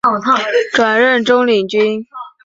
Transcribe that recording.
转任中领军。